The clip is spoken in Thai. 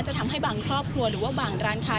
ทำให้บางครอบครัวหรือว่าบางร้านค้า